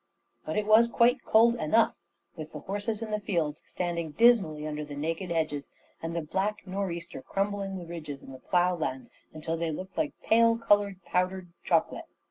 But it was quite cold enough, with the horses in the fields standing dismally under the naked hedges, and the black north easter crumbling the ridges of the plough lands until they looked like pale coloured powdered chocolate.